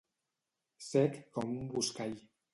Sec com un buscall.